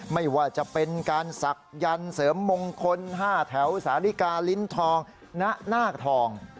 ไม่ว่าจะเป็นการศักดิ์เสริมมงคล๕แถวสาลิกาลิ้นทองณนาคทอง